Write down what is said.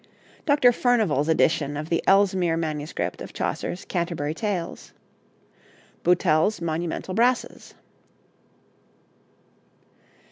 Dr. Furnivall's edition of the Ellesmere MS. of Chaucer's 'Canterbury Tales.' Boutell's 'Monumental Brasses.'